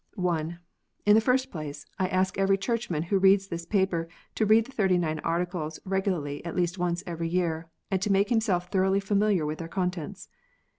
(1) In the first place, I ask every Churchman who reads this paper to read the Thirty nine Articles regularly at least once every year, and to make himself thoroughly familiar with their contents.